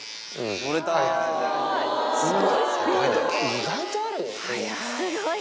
意外とあるよ。